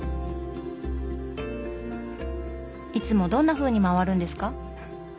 いつもどんなふうに回るんですか？